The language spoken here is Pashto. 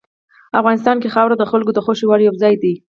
افغانستان کې خاوره د خلکو د خوښې وړ یو ځای دی.